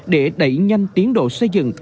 để đẩy nhanh tiến độ xây dựng